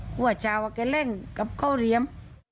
กลัวชาวเขาเร่งกับเข้าเรียม